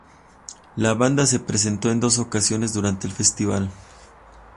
La banda se presentó en dos ocasiones durante el festival.